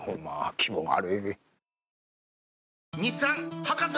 気分悪い。